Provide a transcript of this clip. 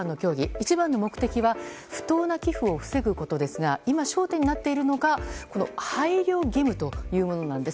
一番の目的は不当な寄付を防ぐことですが今、焦点になっているのが配慮義務というものなんです。